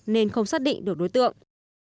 nên không xác định được đối tượng